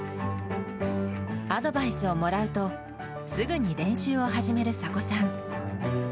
アドバイスをもらうと、すぐに練習を始める峪さん。